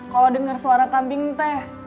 kalau dengar suara kambing teh